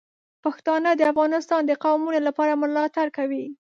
پښتانه د افغانستان د قومونو لپاره ملاتړ کوي.